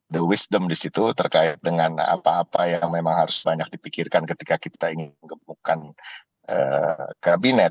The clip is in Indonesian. the wisdom disitu terkait dengan apa apa yang memang harus banyak dipikirkan ketika kita ingin gemukkan kabinet